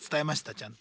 ちゃんと。